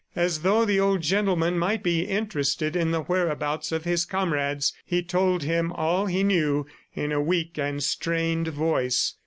As though the old gentleman might be interested in the whereabouts of his comrades, he told him all he knew in a weak and strained voice.